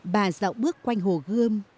bà dạo bước quanh hồ gươm